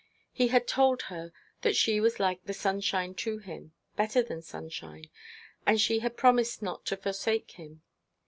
He had told her that she was like the sunshine to him better than sunshine and she had promised not to forsake him.